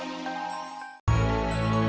mengkanya kalau jadi pelayan